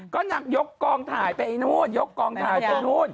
ก็นางยกกองถ่ายไปเอนอนยกกองถ่ายไปนะโหด